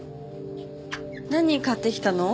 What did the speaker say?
何買ってきたの？